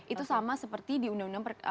itu sama seperti di undang undang